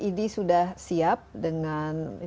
ini sudah siap dengan